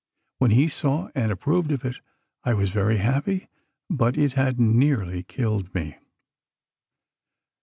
When he saw and approved of it, I was very happy, but it had nearly killed me."